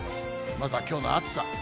まずはきょうの暑さ。